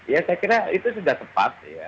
ya saya kira itu sudah tepat ya